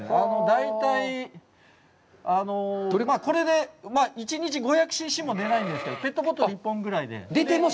大体、これで１日５００ＣＣも出ないんですけど、ペットボトル１本分ぐらいです。